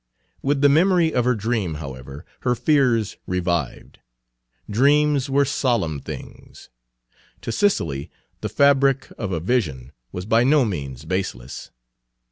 With the memory of her dream, however, her fears revived. Dreams were solemn things. To Cicely the fabric of a vision was by no means baseless.